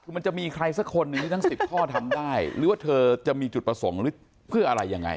คือมันจะมีใครสักคนหนึ่งที่ทั้ง๑๐ข้อทำได้หรือว่าเธอจะมีจุดประสงค์หรือเพื่ออะไรยังไง